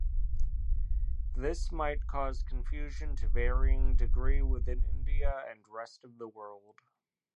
This might cause confusion to varying degree within India and rest of the world.